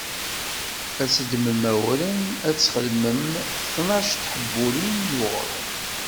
Ad d-teddmem awren, ad d-txedmem tnac n teḥbulin n uɣrum.